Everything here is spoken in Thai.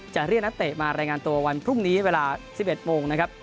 เรียกนักเตะมารายงานตัววันพรุ่งนี้เวลา๑๑โมงนะครับ